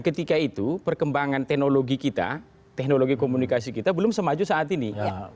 ketika itu perkembangan teknologi kita teknologi komunikasi kita belum semaju saat ini